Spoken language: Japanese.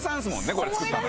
これ作ったの。